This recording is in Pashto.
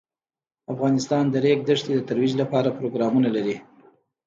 افغانستان د د ریګ دښتې د ترویج لپاره پروګرامونه لري.